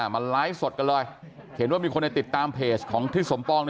มาไลฟ์สดกันเลยเห็นว่ามีคนในติดตามเพจของทิศสมปอง